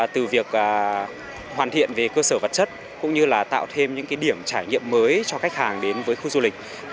từ việc hoàn thiện về cơ sở vật chất cũng như là tạo thêm những điểm trải nghiệm mới cho khách hàng đến với khu du lịch